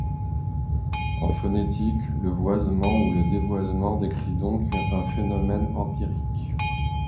En phonétique, le voisement ou le dévoisement décrit donc un phénomène empirique.